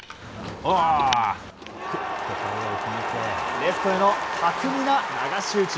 レフトへの巧みな流し打ち。